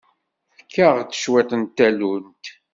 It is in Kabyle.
Fket-aɣ cwiṭ n tallunt.